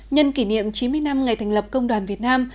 nhân kỷ niệm chín mươi năm ngày thành lập công đoàn việt nam